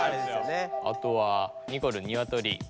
あとはニコル「ニワトリ」。